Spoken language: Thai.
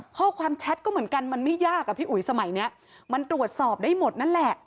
แชทก็เหมือนกันมันไม่ยากอ่ะพี่อุ๋ยสมัยเนี้ยมันตรวจสอบได้หมดนั่นแหละ